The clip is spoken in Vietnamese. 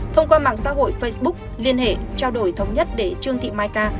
thông qua mạng xã hội facebook liên hệ trao đổi thống nhất để trương thị mai ca